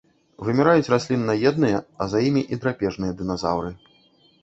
Выміраюць расліннаедныя, а за імі і драпежныя дыназаўры.